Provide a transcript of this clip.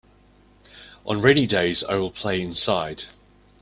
On rainy days I will play inside.